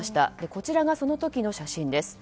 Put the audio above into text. こちらがその時の写真です。